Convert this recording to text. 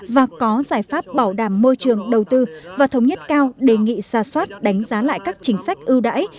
và có giải pháp bảo đảm môi trường đầu tư và thống nhất cao đề nghị xa xoát đánh giá lại các chính sách ưu đãi